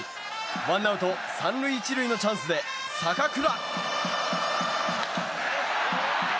ワンアウト３塁１塁のチャンスで坂倉。